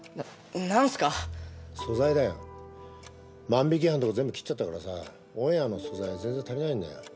万引犯のとこ全部切っちゃったからさオンエアの素材全然足りないんだよ。